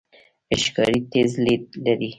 ښکاري تیز لید لري.